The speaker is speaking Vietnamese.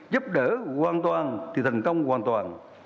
giúp đỡ hoàn toàn thì thành công hoàn toàn